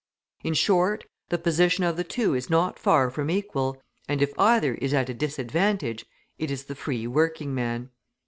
In short, the position of the two is not far from equal, and if either is at a disadvantage, it is the free working man.